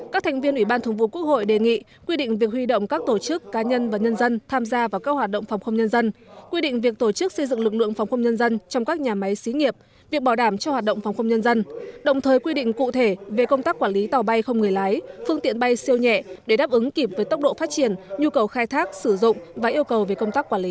các thành viên ủy ban thường vụ quốc hội đề nghị quy định việc huy động các tổ chức cá nhân và nhân dân tham gia vào các hoạt động phòng không nhân dân quy định việc tổ chức xây dựng lực lượng phòng không nhân dân trong các nhà máy xí nghiệp việc bảo đảm cho hoạt động phòng không nhân dân đồng thời quy định cụ thể về công tác quản lý tàu bay không người lái phương tiện bay siêu nhẹ để đáp ứng kịp với tốc độ phát triển nhu cầu khai thác sử dụng và yêu cầu về công tác quản lý